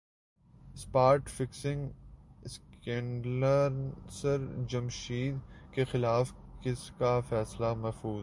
spot fixing اسکینڈلناصر جمشید کیخلاف case کا فیصلہ محفوظ